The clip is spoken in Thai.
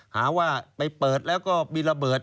หาว่าไปเปิดแล้วก็มีระเบิด